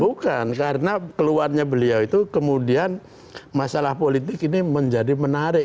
bukan karena keluarnya beliau itu kemudian masalah politik ini menjadi menarik